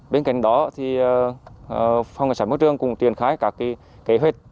bên cạnh đó phòng cảnh sát môi trường cũng triển khai các kế hoạch